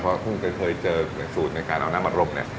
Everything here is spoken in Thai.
เพราะคุณเคยเจอสูตรในการเอาน้ำบัดรมเนี่ย